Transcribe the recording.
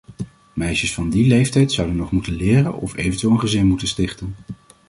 Meisjes van die leeftijd zouden nog moeten leren, of eventueel een gezin moeten stichten.